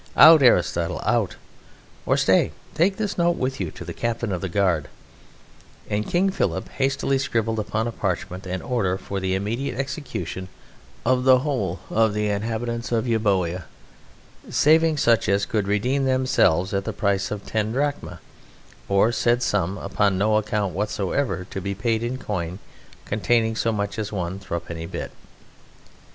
Out, Aristotle, out! Or, stay, take this note with you to the Captain of the Guard" and King Philip hastily scribbled upon a parchment an order for the immediate execution of the whole of the inhabitants of Euboea, saving such as could redeem themselves at the price of ten drachmae, the said sum upon no account whatsoever to be paid in coin containing so much as one thruppenny bit.